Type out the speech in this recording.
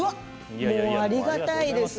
ありがたいです。